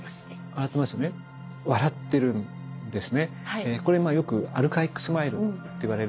笑ってるんですね。